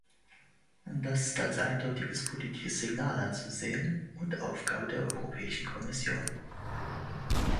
Das ist als eindeutiges politisches Signal anzusehen und Aufgabe der Europäischen Kommission.